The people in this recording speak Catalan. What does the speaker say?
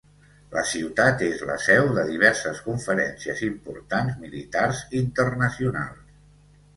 La ciutat és la seu de diverses conferències importants militars internacionals.